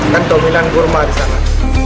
kan dominan kurma di sana